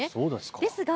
ですが